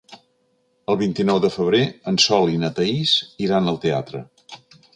El vint-i-nou de febrer en Sol i na Thaís iran al teatre.